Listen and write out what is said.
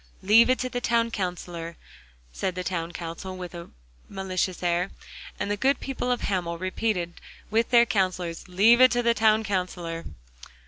'Leave it to the Town Counsellor,' said the town council with a malicious air. And the good people of Hamel repeated with their counsellors, 'Leave it to the Town Counsellor.